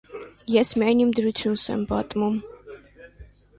Ես միայն իմ դրությունս եմ պատմում: